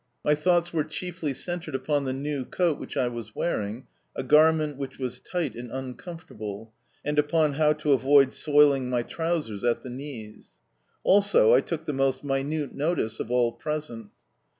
My thoughts were chiefly centred upon the new coat which I was wearing (a garment which was tight and uncomfortable) and upon how to avoid soiling my trousers at the knees. Also I took the most minute notice of all present.